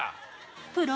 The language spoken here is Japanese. プロ！